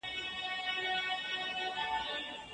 کار د ژوند یوه برخه ده.